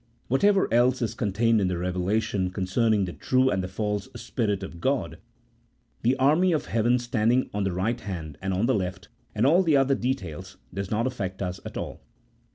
Whatever else is contained in the revelation concerning the true and the false Spirit of God, the army of heaven stand ing on the right hand and on the left, and all the other details, does not affect us at all.